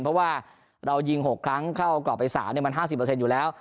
เพราะว่าเรายิง๖ครั้งเข้ากรอบไป๓มัน๕๐อยู่แล้ว